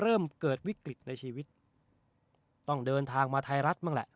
เริ่มเกิดวิกฤตในชีวิตต้องเดินทางมาไทยรัฐบ้างแหละ